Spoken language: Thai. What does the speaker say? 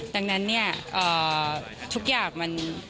ดังนั้นทุกอย่างมัน